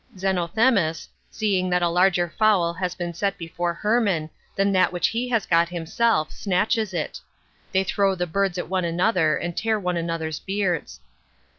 Zenothnnis, seeing that a larger fowl 1 a> been set before Hermon than that, which he has got himself, snatches it; they throw the birds at one ano'her and tear one another's beards.